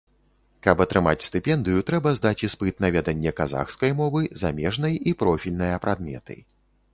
Каб атрымаць стыпендыю, трэба здаць іспыт на веданне казахскай мовы, замежнай і профільныя прадметы.